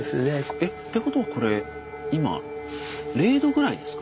えっということはこれ今０℃ぐらいですか？